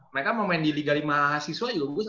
mereka mau main di liga lima mahasiswa juga bagus